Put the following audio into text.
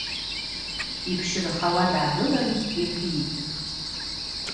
Йпщыгӏвхауа дгӏагылын йхӏвитӏ:.